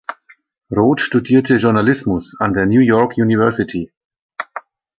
Roth studierte Journalismus an der New York University.